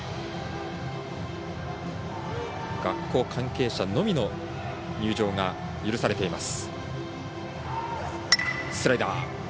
学校関係者のみの入場が許されています。